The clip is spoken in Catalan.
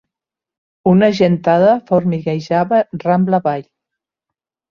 Una gentada formiguejava rambla avall.